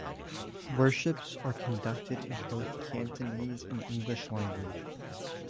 Worships are conducted in both Cantonese and English language.